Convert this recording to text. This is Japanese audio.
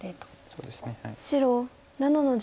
そうですね。